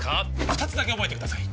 二つだけ覚えてください